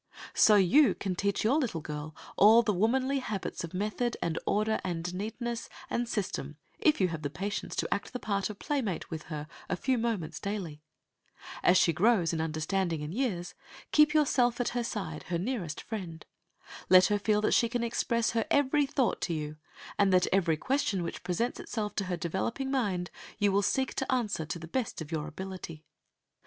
So you can teach your little girl all the womanly habits of method, and order, and neatness, and system, if you have the patience to act the part of playmate with her a few moments daily. As she grows in understanding and years, keep yourself at her side, her nearest friend. Let her feel that she can express her every thought to you, and that every question which presents itself to her developing mind, you will seek to answer to the best of your ability.